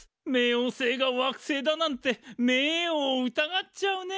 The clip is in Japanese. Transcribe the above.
冥王星が惑星だなんて目ぇを疑っちゃうね。